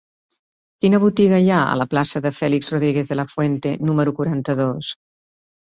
Quina botiga hi ha a la plaça de Félix Rodríguez de la Fuente número quaranta-dos?